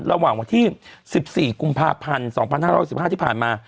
ระหว่างวันที่สิบสี่กุมภาพันธ์สองพันห้าร้อยสิบห้าที่ผ่านมา